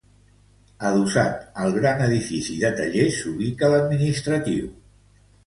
Adossat al gran edifici de tallers, s'ubica l'administratiu.